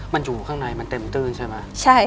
มันอยู่ข้างในมันเต็มตื้นใช่ไหม